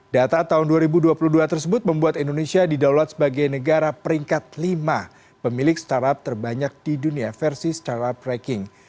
data tahun dua ribu dua puluh dua tersebut membuat indonesia didaulat sebagai negara peringkat lima pemilik startup terbanyak di dunia versi startup ranking